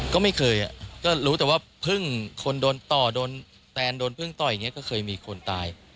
ก็ไม่เคยก็รู้แต่ว่าพึ่งคนโดนต่อโดนแตนโดนพึ่งต่อยอย่างนี้ก็เคยมีคนตาย